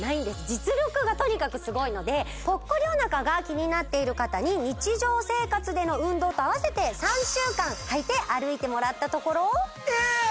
実力がとにかくスゴいのでぽっこりおなかが気になっている方に日常生活での運動とあわせて３週間履いて歩いてもらったところえーっ！